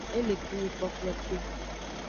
E le kinyi kplokplote.